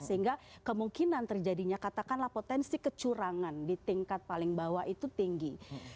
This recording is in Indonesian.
sehingga kemungkinan terjadinya katakanlah potensi kecurangan di tingkat paling bawah itu tinggi